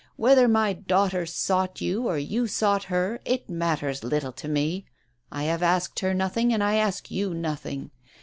Whether my daughter sought you or you sought her, it matters little to me. I have asked her nothing, and I ask you nothing.